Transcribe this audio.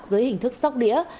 dưới hình thức sóc đĩa